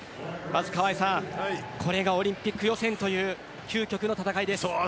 川合さんこれがオリンピック予選という究極の戦いです。